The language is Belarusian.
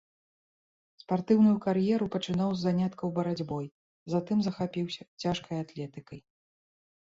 Спартыўную кар'еру пачынаў з заняткаў барацьбой, затым захапіўся цяжкай атлетыкай.